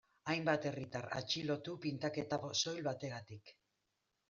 Hainbat herritar atxilotu pintaketa soil bategatik.